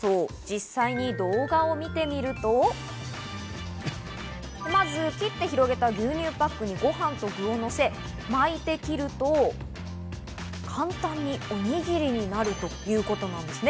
実際に動画を見てみると、まず切って広げた牛乳パックにご飯と具をのせ、巻いて切ると、簡単におにぎりになるということです。